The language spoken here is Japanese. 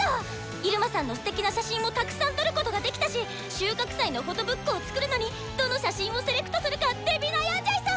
イルマさんのすてきな写真もたくさん撮ることができたし収穫祭のフォトブックを作るのにどの写真をセレクトするかデビ悩んじゃいそう！